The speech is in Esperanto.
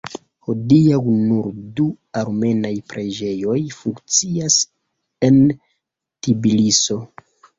Hodiaŭ nur du armenaj preĝejoj funkcias en Tbiliso.